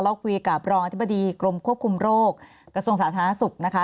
เราคุยกับรองอธิบดีกรมควบคุมโรคกระทรวงสาธารณสุขนะคะ